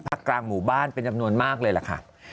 กลางหมู่บ้านเป็นจำนวนมากเลยล่ะค่ะ